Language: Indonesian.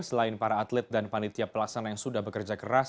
selain para atlet dan panitia pelaksana yang sudah bekerja keras